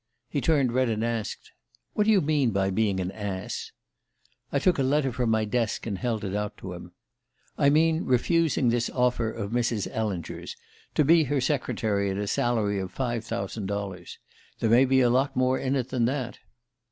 "He turned red, and asked: 'What do you mean by being an ass?' "I took a letter from my desk and held it out to him. "'I mean refusing this offer of Mrs. Ellinger's: to be her secretary at a salary of five thousand dollars. There may be a lot more in it than that.